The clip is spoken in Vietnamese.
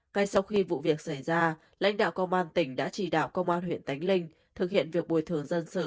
ngay sau khi vụ việc xảy ra lãnh đạo công an tỉnh đã chỉ đạo công an huyện tánh linh thực hiện việc bồi thường dân sự